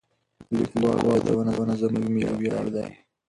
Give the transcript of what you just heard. د لیکوالو یادونه زموږ ملي ویاړ دی.